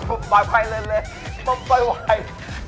เอาไปเลยเลยต้องไปไว้